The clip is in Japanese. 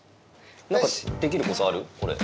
何かできることある？